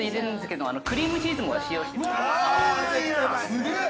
◆すげえ！